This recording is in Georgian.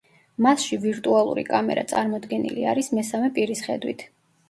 მასში ვირტუალური კამერა წარმოდგენილი არის მესამე პირის ხედვით.